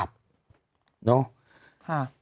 คือที่ทุกคนรู้คือเขาเป็นไทรอยด์ใช่ไหมคะ